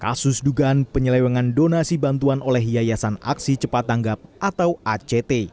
kasus dugaan penyelewengan donasi bantuan oleh yayasan aksi cepat tanggap atau act